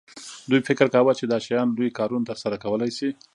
دوی فکر کاوه چې دا شیان لوی کارونه ترسره کولی شي